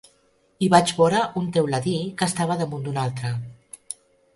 I vaig vore un teuladí que estava damunt d’un altre.